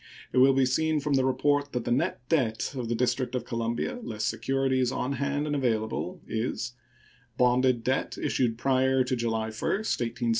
It will be seen from the report that the net debt of the District of Columbia, less securities on hand and available, is: Bonded debt issued prior to July 1, 1874 $8,883,940.